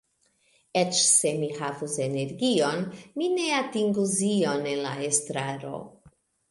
Eĉ se mi havus energion, mi ne atingus ion en la estraro.